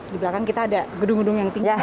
di belakang kita ada gedung gedung yang tinggal